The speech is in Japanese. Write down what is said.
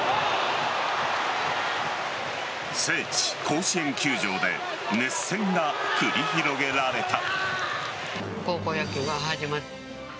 聖地・甲子園球場で熱戦が繰り広げられた。